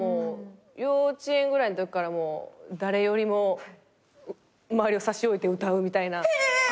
幼稚園ぐらいのときからもう誰よりも周りを差し置いて歌うみたいな。